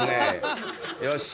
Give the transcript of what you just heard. よっしゃ。